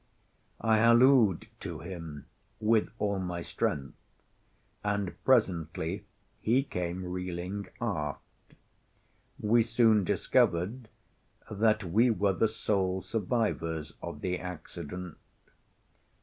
I hallooed to him with all my strength, and presently he came reeling aft. We soon discovered that we were the sole survivors of the accident.